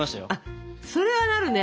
それはなるね。